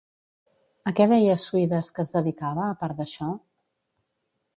A què deia Suides que es dedicava a part d'això?